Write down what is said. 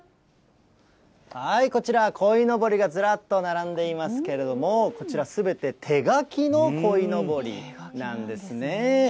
こちら、こいのぼりがずらっと並んでいますけれども、こちらすべて手描きのこいのぼりなんですね。